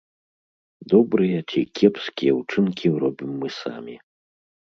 Добрыя ці кепскія ўчынкі робім мы самі.